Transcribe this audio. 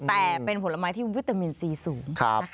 แต่เป็นผลไม้ที่วิตามินซีสูง